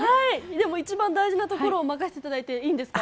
でも一番大事なところを任せていただいていいんですか。